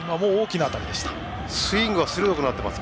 スイングが鋭くなっています。